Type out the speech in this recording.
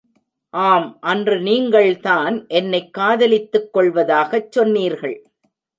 ஆம் அன்று நீங்கள் தான் என்னைக் காதலித்துக் கொல்வதாகச் சொன்னீர்கள்.